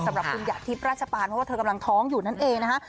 สำหรับคุณหยาดทิพย์ราชปานเพราะว่าเธอกำลังท้องอยู่นั่นเองนะคะ